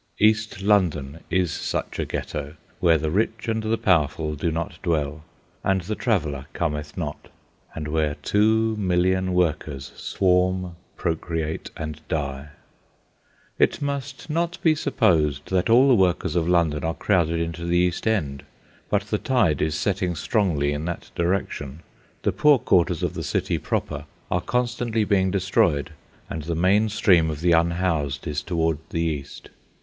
East London is such a ghetto, where the rich and the powerful do not dwell, and the traveller cometh not, and where two million workers swarm, procreate, and die. It must not be supposed that all the workers of London are crowded into the East End, but the tide is setting strongly in that direction. The poor quarters of the city proper are constantly being destroyed, and the main stream of the unhoused is toward the east.